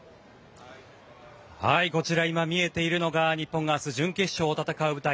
こちら、今見えているのが日本が明日準決勝を戦う舞台